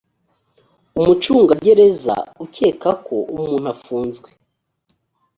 umucungagereza ukeka ko umuntu ufunzwe